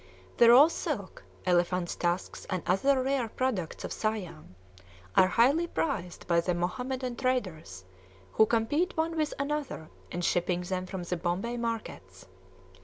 The raw silk, elephants' tusks, and other rare products of Siam, are highly prized by the Mohammedan traders, who compete one with another in shipping them for the Bombay markets.